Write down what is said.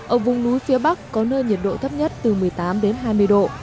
ở vùng núi phía bắc có nơi nhiệt độ thấp nhất từ một mươi tám hai mươi độ